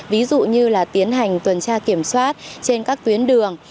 ví dụ như là tiến hành tuần tra kiểm soát trên các tuyến đường